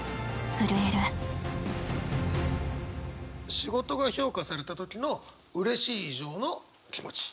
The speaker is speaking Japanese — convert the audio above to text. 仕事が評価された時のうれしい以上の気持ち。